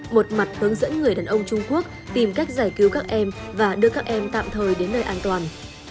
một mặt hướng dẫn người đàn ông trung quốc tìm cách giải cứu các em và đưa các em tạm thời đến nơi an toàn